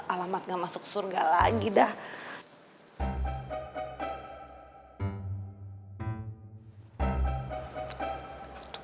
alamatnya masuk surga lagi dah